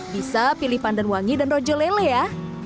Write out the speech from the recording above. bisa pilih pandan wangi dan rojo lele ya